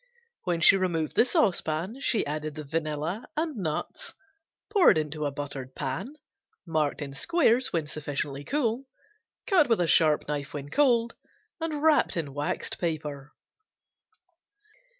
When she removed the saucepan she added the vanilla and nuts, poured into a buttered pan, marked in squares when sufficiently cool, cut with a sharp knife when cold and wrapped in waxed paper.